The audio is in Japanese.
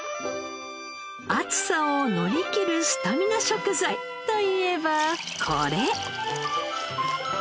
暑さを乗り切るスタミナ食材といえばこれ。